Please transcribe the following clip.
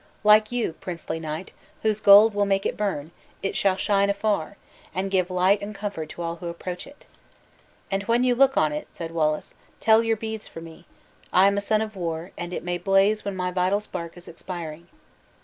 Like you, princely knight, whose gold will make it burn, it shall shine afar, and give light and comfort to all who approach it." "And when you look on it," said Wallace, "tell your beads for me. I am a son of war, and it may blaze when my vital spark is expiring."